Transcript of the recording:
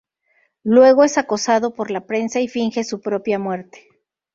Luego es acosado por la prensa y finge su propia muerte.